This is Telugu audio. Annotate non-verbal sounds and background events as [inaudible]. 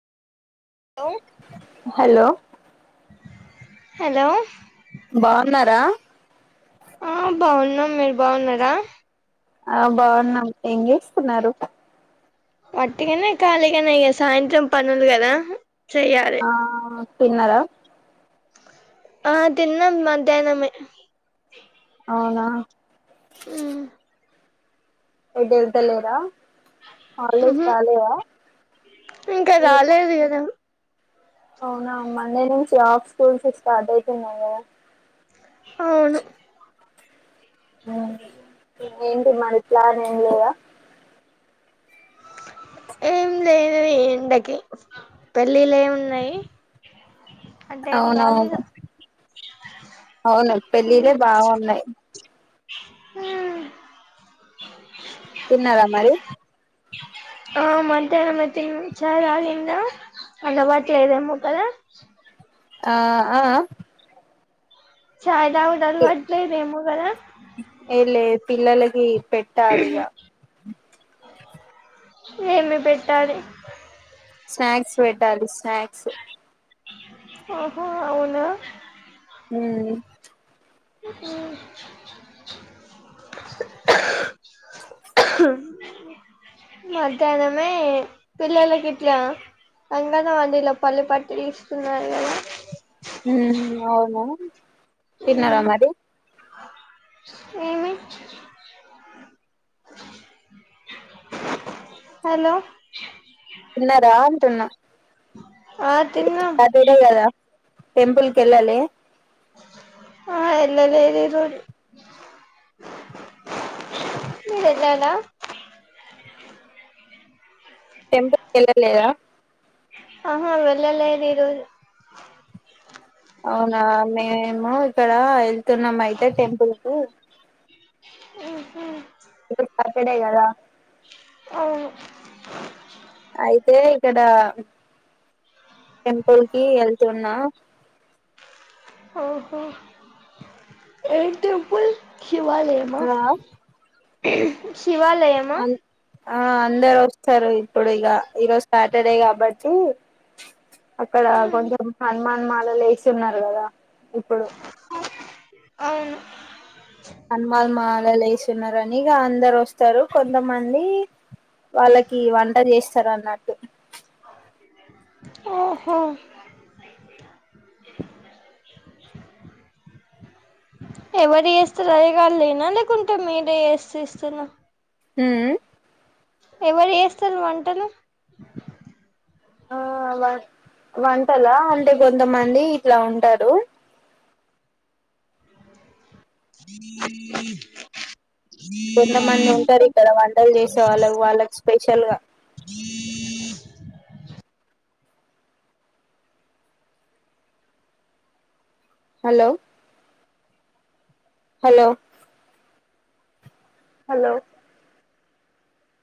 హలో హలో హలో బాగున్నారా ఆ బావున్నాం మీరు బావున్నారా ఆ బావున్నాం ఏం చేస్తున్నారు పట్టుకనే ఖాళీగానే ఇక సాయంత్రం పనులు కదా చెయ్యాలి ఆ తిన్నరా ఆ తిన్నం మధ్యానమే అవునా ఉమ్మ్ ఎటెళ్తలేరా ఇంకా మీకు రాలేదు కదా అవునా మండే నుంచి ఆఫ్ స్కూల్స్ స్టార్ట్ అవుతున్నాయి కదా అవును ఏంటి మరి ప్లాన్ ఏం లేదా ఏం లేదే ఎండకి పెళ్ళిళ్ళేమున్నాయి అంటే అవునవును ఎళ్ళాలిగా అవును పెళ్ళిళ్ళే బాగున్నాయి [unintelligible] తిన్నారా మరి ఆ మధ్యాహ్నమే త్తింగ్ చార్ ఆగింద అలవాట్లేదేమో కదా ఆ అ అ సరి [unintelligible] అట్లే మేము కద [unintelligible] పెట్టాలిగా ఏమి పెట్టాలి స్నాక్స్ పెట్టాలి స్నాక్స్ ఆహో అవునా హుమ్మ్ మధ్యాహ్నమే పిల్లలకి ఇట్లా రాంగానే [unintelligible] పల్లి పట్టు ఇస్తున్నారు కదా హుమ్మ్ అవును తిన్నార మరి ఏమి హలో తిన్నారా టున్నా ఆ తిన్నా టెంపుల్కెళ్ళలే ఆ ఎల్లలేదు ఈ రోజు మీరెల్లాల టెంపుల్ వెళ్ళలేదా ఆహా వెళ్ళలేదీరోజు అవునా మేమ్ ము ఇక్కడ వెళ్తున్నాం అయితే టెంపుల్ కు ఉహూ ఇ [inaudible] [unintelligible] ఈడే గదా అవును అయితే ఇక్కడ టెంపుల్కి వెళ్తున్నా ఆహా ఏం టెంపుల్ శివాలయమా ఆ ఏ స్ శివాలయమా అన్ ఆ అందరొస్తారు ఇప్పుడిగ ఈరోజు సాటడే కాబట్టి అక్కడ కొంచెం ప హనుమాన్ మాలలేసున్నారు కదా ఇప్పుడు అవును హనుమాన్ స్తరు కొంతమంది వాళ్ళకి వంట చేస్తరన్నట్టు ఓహో ఎవరు చేస్తారు అయ్యగార్లేనా లేకుంటే మీరే చేసి ఇస్తునా ఉమ్ ఉ ఎవరు చేస్తరు వంటలు ఆ వ వంటలా అంటే కొంతమంది ఇట్ల ఉంటారు స్ స్ కొంతమంది ఉంటారిక్కడ వంటలు చేసే వాళ్ళ వాళ్ళకి స్పెషల్ గా హలో హలో హలో